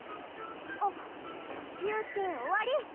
あっ休憩終わり！